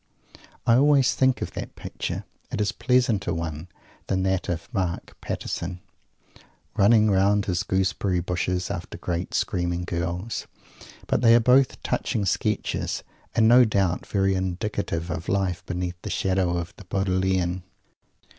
I always think of that picture. It is a pleasanter one than that of Mark Pattison, running round his Gooseberry bushes, after great screaming girls. But they are both touching sketches, and, no doubt, very indicative of Life beneath the shadow of the Bodleian.